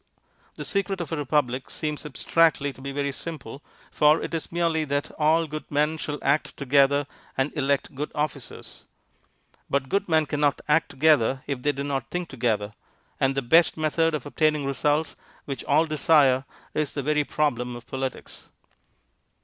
The secret of a republic seems abstractly to be very simple, for it is merely that all good men shall act together and elect good officers. But good men cannot act together if they do not think together, and the best method of obtaining results which all desire is the very problem of politics.